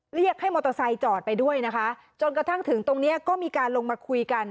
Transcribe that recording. เรียกให้มอเตอร์ไซค์จอดไปด้วยนะคะจนกระทั่งถึงตรงเนี้ยก็มีการลงมาคุยกัน